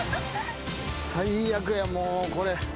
最悪やもうこれ。